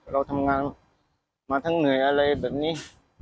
เราทำงานมาทั้งเหนื่อยอะไรแบบนี้